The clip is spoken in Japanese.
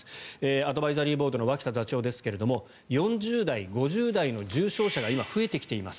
アドバイザリーボードの脇田座長ですが４０代、５０代の重症者が今増えてきています。